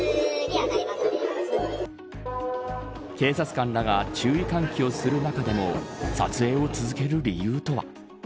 警察官らが注意喚起をする中でも撮影を続ける理由とは。